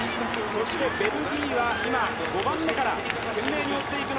ベルギーは５番目から懸命に追っていく。